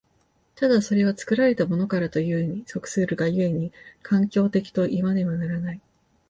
ただそれは作られたものからというに即するが故に、環境的といわねばならない。